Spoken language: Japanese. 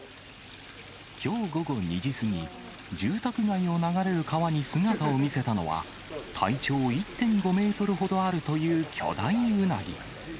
きょう午後２時過ぎ、住宅街を流れる川に姿を見せたのは、体長１．５メートルほどあるという巨大ウナギ。